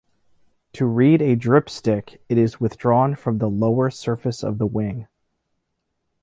To read a dripstick, it is withdrawn from the lower surface of the wing.